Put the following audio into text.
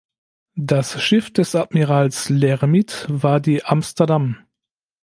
Das Schiff des Admirals L’Hermite war die "Amsterdam".